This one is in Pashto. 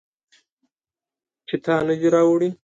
چې تا نه دي راوړي